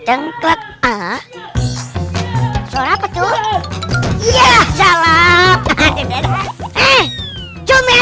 kenapa sih tohir